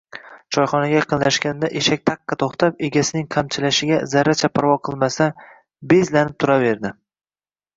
Choyxonaga yaqinlashganda, eshak taqqa to‘xtab, egasining qamchilashiga zarracha parvo qilmasdan, bezlanib turaverdi